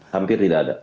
hampir tidak ada